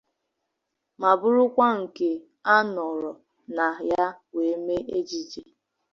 ma bụrụkwa nke a nọrọ na ya wee mee ejije